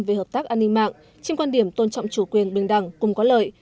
về hợp tác an ninh mạng trên quan điểm tôn trọng chủ quyền bình đẳng cùng có lợi